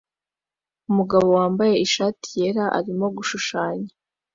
umugabo wambaye ishati yera arimo gushushanya